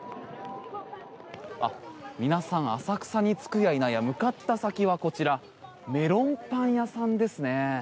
皆さん浅草に着くや否や向かった先はこちらメロンパン屋さんですね。